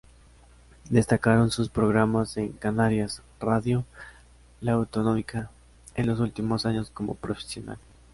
Destacaron sus programas en Canarias Radio-La Autonómica en los últimos años como profesional.